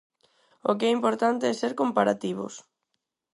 O que é importante é ser comparativos.